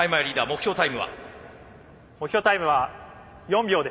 目標タイムは４秒でいきます。